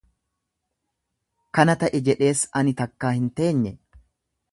Kana ta'e jedhees ani takkaa hin teenye